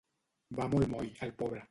Va molt moll, el pobre.